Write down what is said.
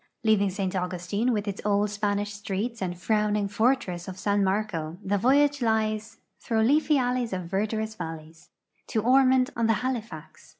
Leaving St. Augustine, with its old Spanish streets and frowning fortress of San IMarco, the voy age lies "Thro' leafey alleys of verdurous valleys" to Ormond on the Halifax.